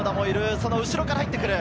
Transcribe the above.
その後ろから入ってくる。